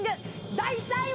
第３位は。